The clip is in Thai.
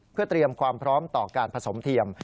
เพื่อเตรียมความพร้อมต่อการผสมเทียม